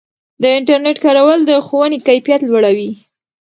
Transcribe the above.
د انټرنیټ کارول د ښوونې کیفیت لوړوي.